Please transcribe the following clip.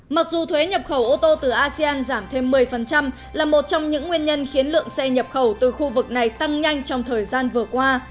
mặc dù thuế nhập khẩu ô tô từ asean giảm thêm một mươi là một trong những nguyên nhân khiến lượng xe nhập khẩu từ khu vực này tăng nhanh trong thời gian vừa qua